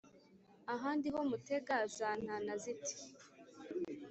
ahandi ho mutega zantana zite